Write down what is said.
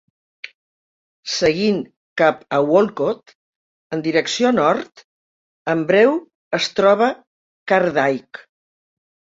Seguint cap a Walcott en direcció nord, en breu es troba Car Dyke.